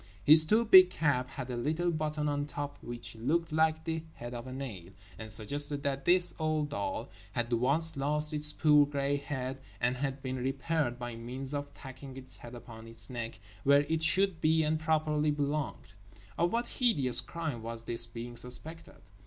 His too big cap had a little button on top which looked like the head of a nail; and suggested that this old doll had once lost its poor grey head and had been repaired by means of tacking its head upon its neck, where it should be and properly belonged. Of what hideous crime was this being suspected?